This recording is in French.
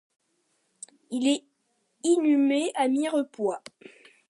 Il est inhumé à Mirepoix.